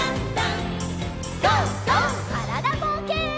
からだぼうけん。